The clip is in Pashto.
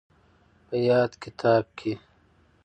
په ياد کتاب کې